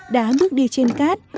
đã bước đi trên cát